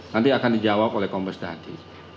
nanti akan dijawab oleh kombes dadi